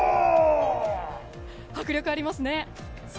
迫力ありますね。